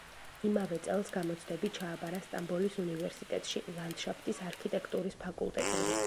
იმავე წელს გამოცდები ჩააბარა სტამბოლის უნივერსიტეტში, ლანდშაფტის არქიტექტურის ფაკულტეტზე.